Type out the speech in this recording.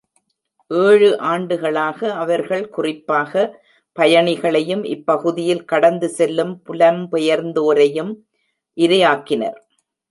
ஏழு ஆண்டுகளாக அவர்கள் குறிப்பாக பயணிகளையும் இப்பகுதியில் கடந்து செல்லும் புலம்பெயர்ந்தோரையும் இரையாக்கினர்.